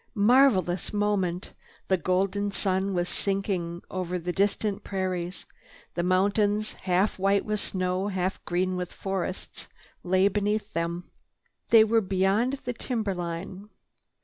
Marvelous moment! The golden sun was sinking over the distant prairies. The mountains, half white with snow, half green with forests, lay beneath them. They were beyond the timber line.